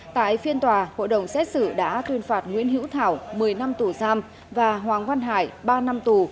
tại phiên tòa hội đồng xét xử đã tuyên phạt nguyễn hữu thảo một mươi năm tù giam và hoàng văn hải ba năm tù